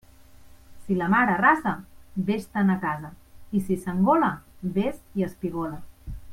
Si la mar arrasa, vés-te'n a casa, i si s'engola, vés i espigola.